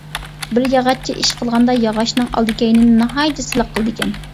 بىر ياغاچچى ئىش قىلغاندا ياغاچنىڭ ئالدى-كەينىنى ناھايىتى سىلىق قىلىدىكەن.